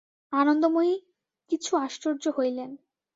আনন্দময়ী কিছু আশ্চর্য হইলেন।